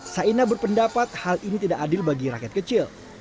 saina berpendapat hal ini tidak adil bagi rakyat kecil